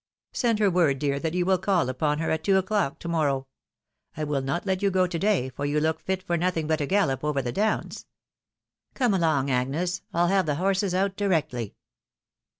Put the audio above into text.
Send her word, dear, that you wiU call upon her at two o'clock to mor row ; I wiU not let you go to day, for you look fit for nothing but a gallop over the downs. Come along, Agnes, I'll have the horses out directly."